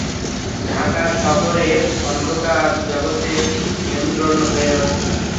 ঢাকা শহরের অন্ধকার জগতের নিয়ন্ত্রক হয়ে ওঠে।